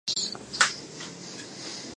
The epitaph was by Simpson.